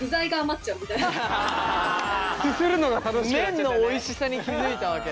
麺のおいしさに気付いたわけだ。